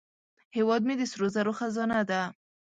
هیواد مې د سرو زرو خزانه ده